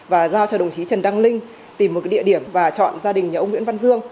và giao cho đồng chí trần đăng linh tìm một địa điểm và chọn gia đình nhà ông nguyễn văn dương